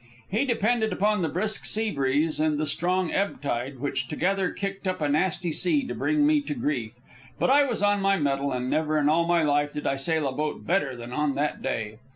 He depended upon the brisk sea breeze and the strong ebb tide, which together kicked up a nasty sea, to bring me to grief. But I was on my mettle, and never in all my life did I sail a boat better than on that day.